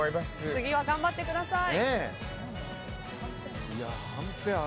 次は頑張ってください。